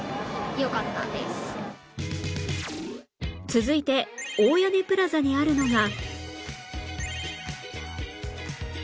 続いて大屋根プラザにあるのが